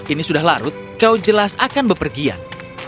ini sudah larut kau jelas akan bepergian